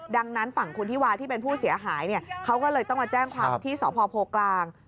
ดังนั้นฝั่งคุณธิวาที่เป็นผู้เสียหายเนี่ยเขาก็เลยต้องมาแจ้งความที่สพโพกลาง